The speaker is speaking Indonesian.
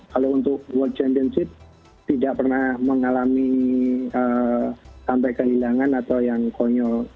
kalau untuk world championship tidak pernah mengalami sampai kehilangan atau yang konyol